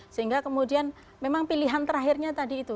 sehingga kemudian memang pilihan terakhirnya tadi itu